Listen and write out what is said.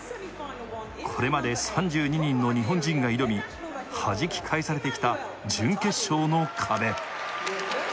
これまで３２人の日本人が挑みはじき返されてきた準決勝の壁